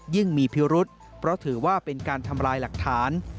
มีพิรุษเพราะถือว่าเป็นการทำลายหลักฐาน